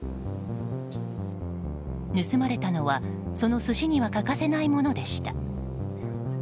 盗まれたのは、その寿司には欠かせないものでした。